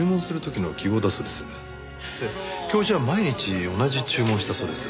教授は毎日同じ注文をしたそうです。